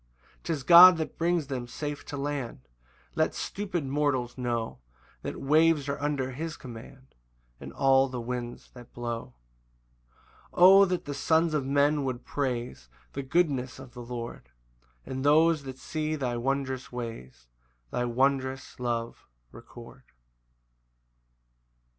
7 'Tis God that brings them safe to land; Let stupid mortals know That waves are under his command, And all the winds that blow, 8 O that the sons of men would praise The goodness of the Lord! And those that see thy wondrous ways, Thy wondrous love record.